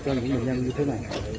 cảm ơn các bạn